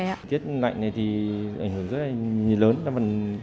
thời tiết lạnh này thì ảnh hưởng rất là lớn